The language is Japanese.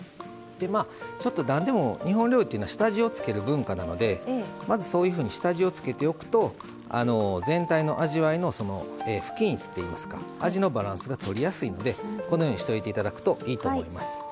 ちょっと、日本料理というのは下味を付ける文化なのでまず、そういうふうに下地をつけておくと全体の味わいのバランスがとりやすいのでこのようにしておいていただくといいと思います。